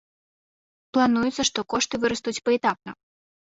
Плануецца, што кошты вырастуць паэтапна.